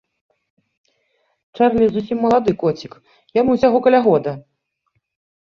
Чарлі зусім малады коцік, яму ўсяго каля года.